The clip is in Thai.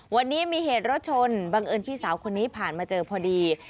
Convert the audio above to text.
วันนี้มีเหตุรถชนบังเอิญพี่สาวคนนี้ผ่านมาเจอพอดี